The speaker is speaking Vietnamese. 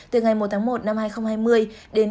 từ ngày một tháng một năm hai nghìn hai mươi đến